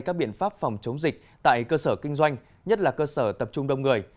các biện pháp phòng chống dịch tại cơ sở kinh doanh nhất là cơ sở tập trung đông người